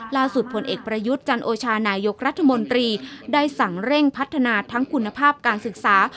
ผลเอกประยุทธ์จันโอชานายกรัฐมนตรีได้สั่งเร่งพัฒนาทั้งคุณภาพการศึกษา